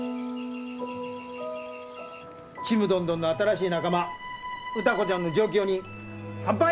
ちむどんどんの新しい仲間歌子ちゃんの上京に乾杯！